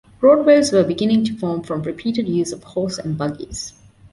Roadways were beginning to form from repeated use of horse and buggies.